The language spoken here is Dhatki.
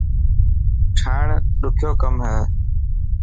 ٺاهڻ ڏکيو ڪم هي.